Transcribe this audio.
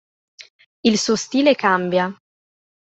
Il suo stile cambia.